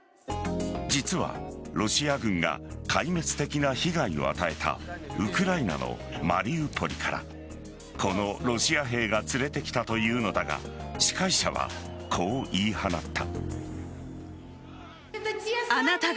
実はロシア軍が壊滅的な被害を与えたウクライナのマリウポリからこのロシア兵が連れてきたというのだが司会者はこう言い放った。